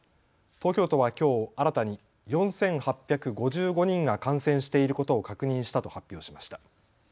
東京都はきょう新たに４８５５人が感染していることを確認したと発表しました。